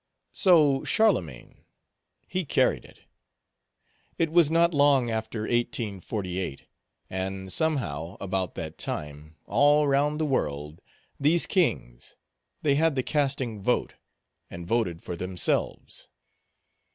So Charlemagne, he carried it. It was not long after 1848; and, somehow, about that time, all round the world, these kings, they had the casting vote, and voted for themselves.